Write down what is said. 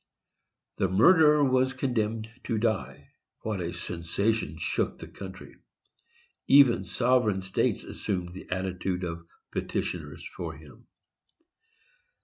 The murderer was condemned to die—what a sensation shook the country! Even sovereign states assumed the attitude of petitioners for him.